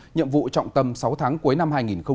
nhiệm vụ trọng tâm sáu tháng cuối năm hai nghìn một mươi chín